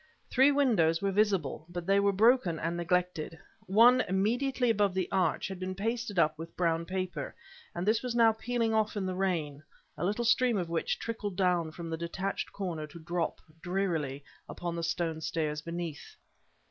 Three windows were visible, but they were broken and neglected. One, immediately above the arch, had been pasted up with brown paper, and this was now peeling off in the rain, a little stream of which trickled down from the detached corner to drop, drearily, upon the stone stairs beneath.